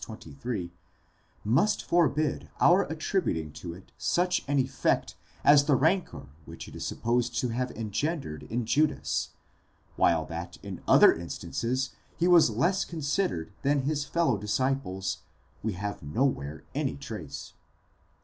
23, must forbid our attributing to it such an effect as the rancour which it is supposed to have engendered in Judas ; 19 while that in other instances he was less considered than his fellow disciples, we have nowhere any trace.